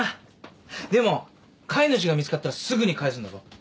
でも飼い主が見つかったらすぐに返すんだぞ。